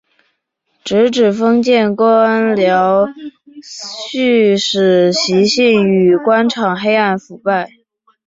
直指封建官僚胥吏习性与官场黑暗腐败。